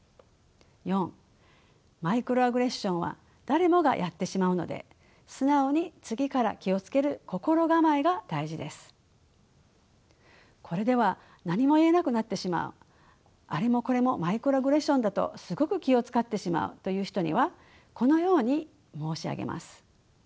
マイクロアグレッションは誰もがやってしまうのでこれでは何も言えなくなってしまうあれもこれもマイクロアグレッションだとすごく気を遣ってしまうという人にはこのように申し上げます。